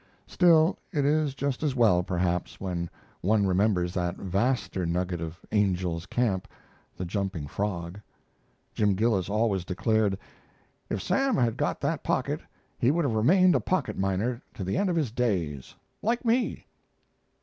Still, it is just as well, perhaps, when one remembers that vaster nugget of Angel's Camp the Jumping Frog. Jim Gillis always declared, "If Sam had got that pocket he would have remained a pocket miner to the end of his days, like me."